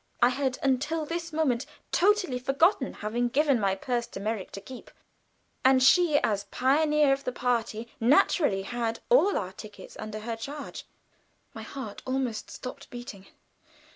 I had until this moment totally forgotten having given my purse to Merrick to keep; and she, as pioneer of the party, naturally had all our tickets under her charge. My heart almost stopped beating.